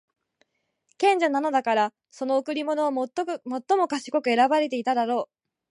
賢者なのだから、その贈り物も最も賢く選ばていただろう。